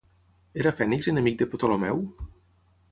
Era Fènix enemic de Ptolemeu?